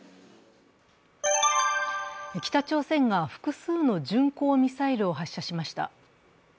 北朝鮮が複数の巡航ミサイルを発射しました。